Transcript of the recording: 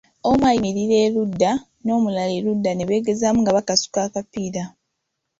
Omu ayimirira erudda n'omulala erudda ne beegezaamu nga bakasuka akapiira.